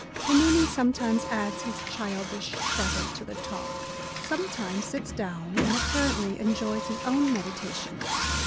Pennini sometimes adds his childish treble to the talk ; sometimes sits down and apparently enjoys his own meditations.